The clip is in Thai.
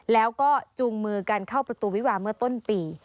แล้วก็จูงมือกันเข้าประตูวิวาเมื่อต้นปี